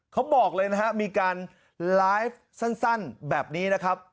เขาบอกเลยนะฮะมีการไลฟ์สั้นแบบนี้นะครับ